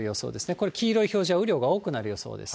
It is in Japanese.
これ、黄色い表示は雨量が多くなる予想です。